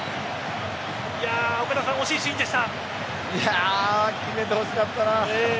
岡田さん、惜しいシーンでした。